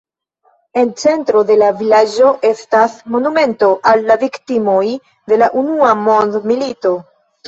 En centro de la vilaĝo estas monumento al la viktimoj de la unua mondmilito.